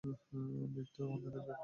Lift তো অন্যদিকে আছে।